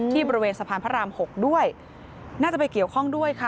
บริเวณสะพานพระราม๖ด้วยน่าจะไปเกี่ยวข้องด้วยค่ะ